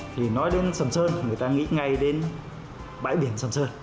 thì nói đến sầm sơn người ta nghĩ ngay đến bãi biển sầm sơn